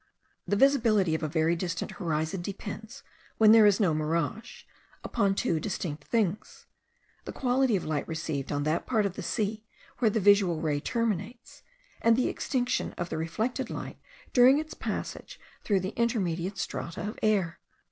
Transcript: The visibility of a very distant horizon depends, when there is no mirage, upon two distinct things: the quantity of light received on that part of the sea where the visual ray terminates; and the extinction of the reflected light during its passage through the intermediate strata of air.